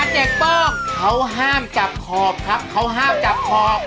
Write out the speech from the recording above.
เด็กป้องเขาห้ามจับขอบครับเขาห้ามจับขอบ